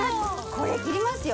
これ切りますよ